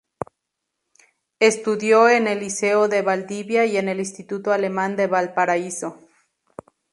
Estudió en el Liceo de Valdivia y en el Instituto Alemán de Valparaíso.